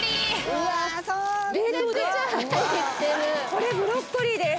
これブロッコリーです。